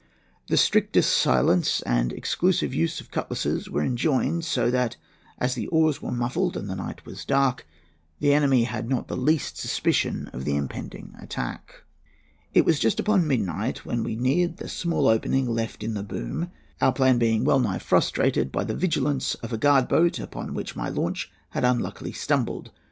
The strictest silence and the exclusive use of cutlasses were enjoined; so that, as the oars were muffled and the night was dark, the enemy had not the least suspicion of the impending attack. "It was just upon midnight when we neared the small opening left in the boom, our plan being well nigh frustrated by the vigilance of a guard boat upon which my launch had unluckily stumbled.